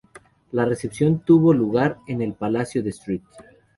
La recepción tuvo lugar en el Palacio de St.